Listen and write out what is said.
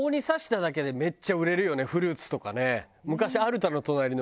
フルーツとかね。